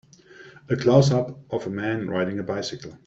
A closeup of a man riding a bicycle.